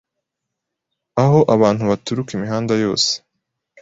aho abantu baturuka imihanda yose